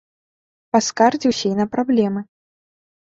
Паскардзіўся і на праблемы.